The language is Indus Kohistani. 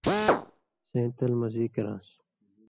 سَیں تل مزی کران٘س۔